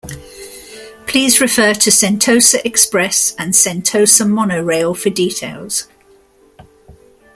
Please refer to Sentosa Express and Sentosa Monorail for details.